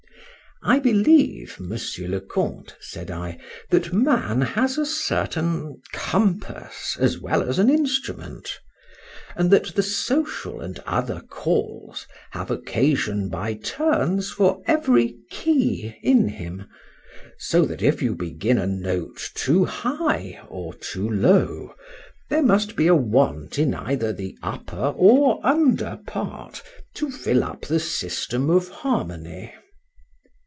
I believe, Monsieur le Count, said I, that man has a certain compass, as well as an instrument; and that the social and other calls have occasion by turns for every key in him; so that if you begin a note too high or too low, there must be a want either in the upper or under part, to fill up the system of harmony.